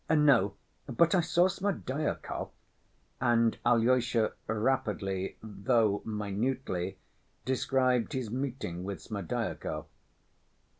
"No, but I saw Smerdyakov," and Alyosha rapidly, though minutely, described his meeting with Smerdyakov.